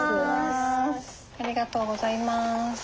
ありがとうございます。